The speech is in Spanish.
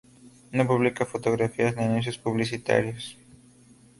No publica fotografías ni anuncios publicitarios.